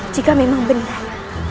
jika memang benar